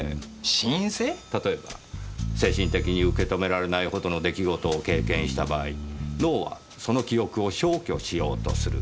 例えば精神的に受け止められないほどの出来事を経験した場合脳はその記憶を消去しようとする。